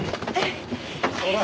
ほら。